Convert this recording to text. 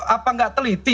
apa tidak teliti